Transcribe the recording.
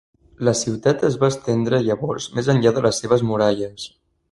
La ciutat es va estendre llavors més enllà de les seves muralles.